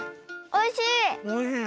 おいしいね！